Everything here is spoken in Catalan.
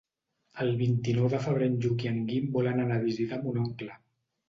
El vint-i-nou de febrer en Lluc i en Guim volen anar a visitar mon oncle.